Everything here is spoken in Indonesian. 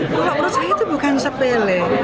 kalau menurut saya itu bukan sepele